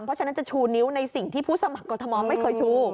เพราะฉะนั้นจะชูนิ้วในสิ่งที่ผู้สมัครกรทมไม่เคยชู